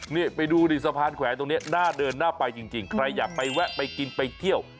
นี่ไปดูดิสะพานแขวนตรงนี้น่าเดินน่าไปจริงใครอยากไปแวะไปกินไปเที่ยว